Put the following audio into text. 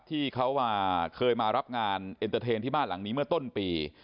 ที่เขาว่าเคยมารับงานเมื่อต้นปี